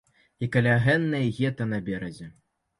І каля гэнай гета на беразе.